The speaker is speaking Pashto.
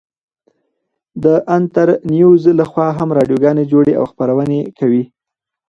د انترنيوز لخوا هم راډيو گانې جوړې او خپرونې كوي.